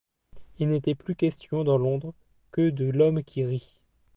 Il n’était plus question dans Londres que de l’Homme qui Rit.